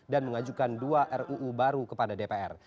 dan mengajukan dua ruu baru kepada dpr